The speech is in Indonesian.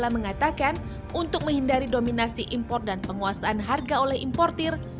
mengatakan untuk menghindari dominasi impor dan penguasaan harga oleh importir